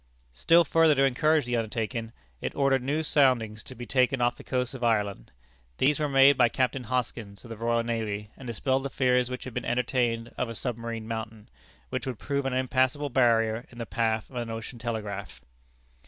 Still further to encourage the undertaking, it ordered new soundings to be taken off the coast of Ireland. These were made by Captain Hoskins, of the Royal Navy, and dispelled the fears which had been entertained of a submarine mountain, which would prove an impassable barrier in the path of an ocean telegraph.